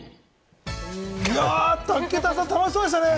いや、武田さん、楽しそうでしたね！